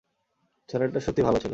ছেলেটা সত্যিই ভালো ছিল।